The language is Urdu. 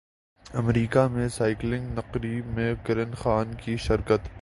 امریکہ میں سائیکلنگ تقریب میں کرن خان کی شرکت